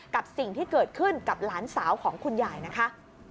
กับสิ่งที่เกิดขึ้นกับหลานสาวของคุณยายนะคะ